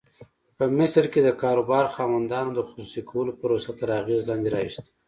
په مصر کې د کاروبار خاوندانو د خصوصي کولو پروسه تر اغېز لاندې راوسته.